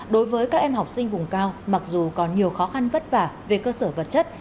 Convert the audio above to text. đối với các em học sinh vùng cao mặc dù còn nhiều khó khăn vất vả về cơ sở vật chất